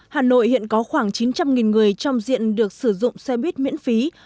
hà nội hiện có khoảng chín trăm linh người trong diện được sử dụng xe buýt miễn phí